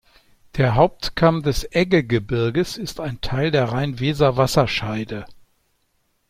Der Hauptkamm des Eggegebirges ist ein Teil der Rhein-Weser-Wasserscheide.